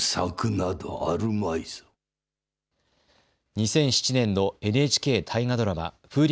２００７年のＮＨＫ大河ドラマ風林